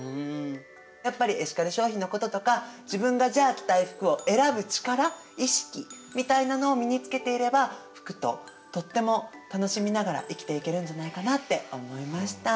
やっぱりエシカル消費のこととか自分がじゃあ着たい服を選ぶ力意識みたいなのを身につけていれば服ととっても楽しみながら生きていけるんじゃないかなって思いました。